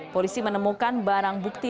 polisi menemukan barang bukti